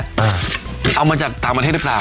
ลำนั้นอย่างเงี้ยเอามาจากต่างประเทศหรือเปล่า